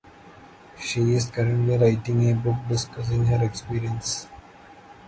She is currently writing a book discussing her experience.